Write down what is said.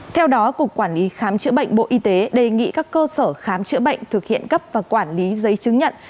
theo đó cục quản lý khám chữa bệnh bộ y tế đề nghị các cơ sở khám chữa bệnh thực hiện cấp và quản lý giấy chứng nhận